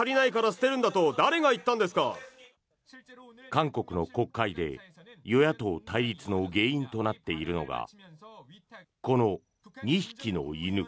韓国の国会で与野党対立の原因となっているのがこの２匹の犬。